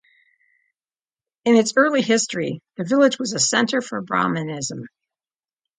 In its early history, the village was a center for Brahmanism.